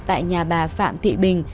tại nhà bà phạm thị bình